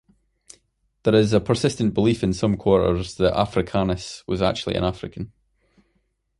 There is a persistent belief in some quarters that Africanus was actually an African.